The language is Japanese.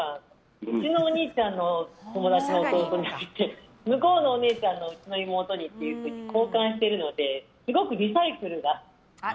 うちのお兄ちゃんの友達の弟にあげて向こうのお兄ちゃんのをうちの妹にって交換してるのですごくリサイクルが。